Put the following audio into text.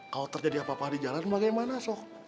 kalau terjadi apa apa di jalan bagaimana so